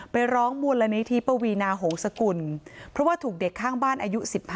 ไปร้องมูลนิธิปวีนาหงษกุลเพราะว่าถูกเด็กข้างบ้านอายุ๑๕